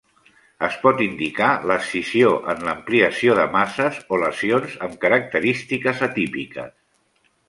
Es pot indicar l'escissió en l'ampliació de masses o lesions amb característiques atípiques.